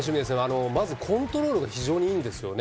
まずコントロールが非常にいいんですよね。